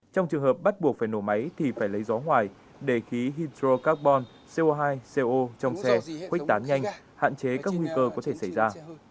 trong trường hợp bắt buộc phải nổ máy thì phải lấy gió ngoài để khí hydro carbon co hai co trong xe khuếch tán nhanh hạn chế các nguy cơ có thể xảy ra